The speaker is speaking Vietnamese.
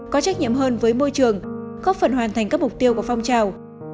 có trách nhiệm hơn với môi trường góp phần hoàn thành các mục tiêu của phong trào